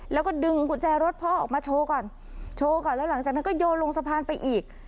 แล้วก็ดึงกุญแจรถพ่อออกมาโชว์ก่อนโชว์ก่อนแล้วหลังจากนั้นก็โยนลงสะพานไปอีก